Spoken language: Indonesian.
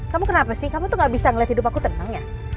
kamu kenapa sih kamu tuh gak bisa ngeliat hidup aku tenangnya